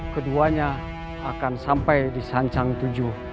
keduanya akan sampai di sancang tujuh